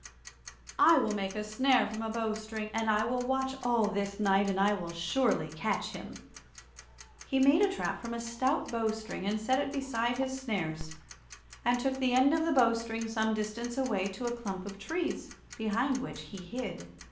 I will make a snare from a bow string, and I will watch all this night, and I will surely catch him." He made a trap from a stout bow string and set it beside his snares, and took the end of the bow string some distance away to a clump of trees, behind which he hid.